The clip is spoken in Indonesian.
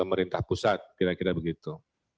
itu merintah pusat kira kira begitu